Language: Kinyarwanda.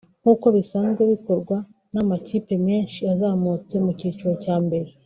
nk’uko bisanzwe bikorwa n’amakipe menshi azamutse mu cyiciro cya mbere